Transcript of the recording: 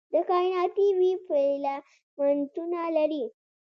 د کائناتي ویب فیلامنټونه لري.